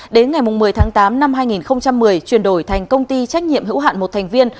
đến ngày một mươi tháng tám năm hai nghìn một mươi chuyển đổi thành công ty trách nhiệm hữu hạn một thành viên